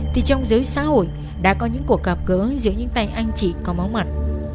thì trong giới xã hội đã có những cuộc gặp gỡ giữa những tay anh chỉ có máu mặt